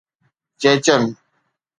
چيچن